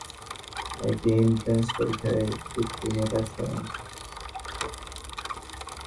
তিনি এন্ট্রান্স পরীক্ষায় বৃত্তী নিয়ে পাস করেন।